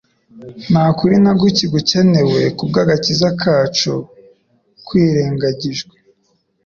Nta kuri na guke gukenewe kubw'agakiza kacu kwirengagijwe,